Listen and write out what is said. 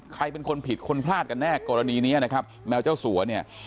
ใครเป็นคนผิดคนพลาดกันแน่กรณีนี้นะครับแมวเจ้าสัวเนี่ย